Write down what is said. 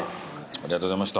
ありがとうございます。